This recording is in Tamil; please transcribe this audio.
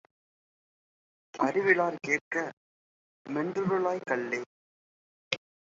அறிவிலார்க் கேக்கமென் றுருளாய் கல்லே!